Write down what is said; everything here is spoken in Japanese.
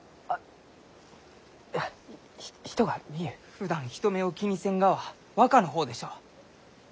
ふだん人目を気にせんがは若の方でしょう？